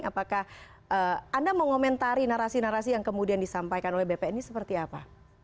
apakah anda mengomentari narasi narasi yang kemudian disampaikan oleh bpn ini seperti apa